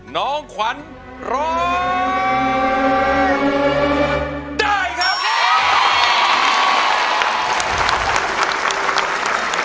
น้องขวัญร้องได้ครับ